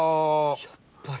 やっぱり。